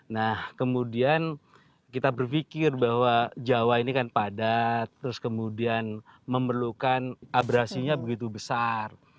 nah kemudian kita berpikir bahwa jawa ini kan padat terus kemudian memerlukan abrasinya begitu besar